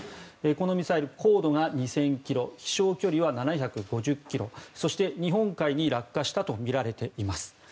このミサイル高度が２０００ｋｍ飛翔距離は７５０ｋｍそして、日本海に落下したとみられています。